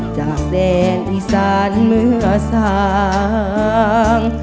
จากแดนอีสานเมื่อสาง